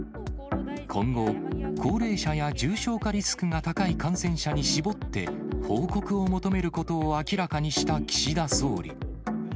今後、高齢者や重症化リスクが高い感染者に絞って、報告を求めることを明らかにした岸田総理。